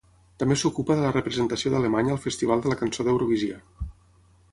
També s'ocupa de la representació d'Alemanya al Festival de la Cançó d'Eurovisió.